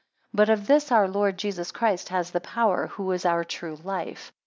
But of this our Lord Jesus Christ has the power, who is our true life.